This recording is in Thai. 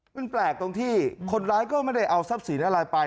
มันแปลกตรงที่คนร้ายก็ไม่ได้เอาทรัพย์สินอะไรไป